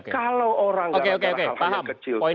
kalau orang dalam hal hal yang kecil